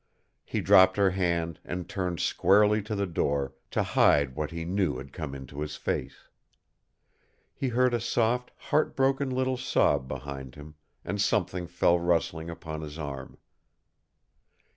He dropped her hand and turned squarely to the door, to hide what he knew had come into his face. He heard a soft, heart broken little sob behind him, and something fell rustling upon his arm.